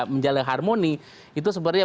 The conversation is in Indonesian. menjalankan harmoni itu sebenarnya